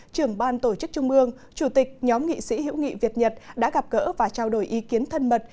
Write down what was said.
trưởng ban tổ chức trung ương chủ tịch nhóm nghị sĩ hữu nghị việt nhật đã gặp gỡ và trao đổi ý kiến thân mật